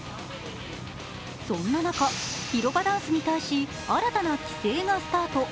そんな中、広場ダンスに対し新たな規制がスタート。